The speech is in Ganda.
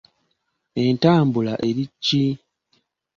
Entambula eri ki?